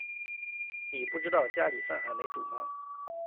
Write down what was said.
妳不知道家里饭还没煮吗